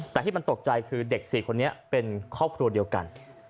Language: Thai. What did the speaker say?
แต่ที่มันตกใจคือเด็ก๔คนนี้เป็นครอบครัวเดียวกัน